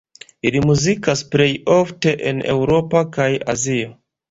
Ili muzikas plej ofte en Eŭropo kaj Azio.